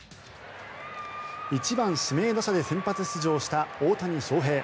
１番指名打者で先発出場した大谷翔平。